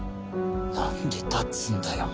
なんで立つんだよ。